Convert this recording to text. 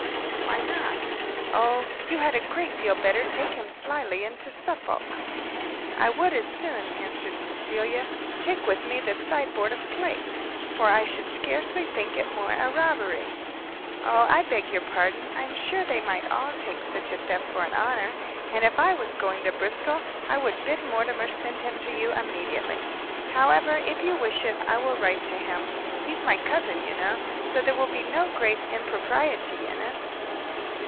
"Why not?" "O, you had a great deal better take him slyly into Suffolk." "I would as soon," answered Cecilia, "take with me the side board of plate, for I should scarcely think it more a robbery." "Oh, I beg your pardon, I am sure they might all take such a theft for an honour; and if I was going to Bristol, I would bid Mortimer send him to you immediately. However, if you wish it, I will write to him. He's my cousin, you know, so there will be no great impropriety in it."